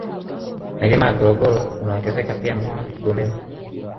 Milima ya Gologolo unaongezeka pia Mlima Gombelo